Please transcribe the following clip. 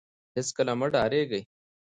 هېڅکله مه درېږئ.